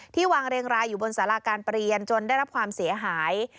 ที่วางเรงรายอยู่บนสาราการประเรียนจนได้รับความเสียหาย